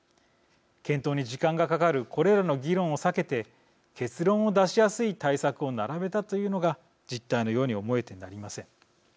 検討に時間がかかるこれらの議論を避けて結論を出しやすい対策を並べたというのが実態のように思えてなりません。